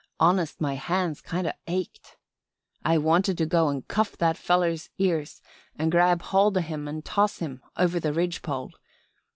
Honest my hands kind o' ached. I wanted to go an' cuff that feller's ears an' grab hold o' him an' toss him over the ridge pole.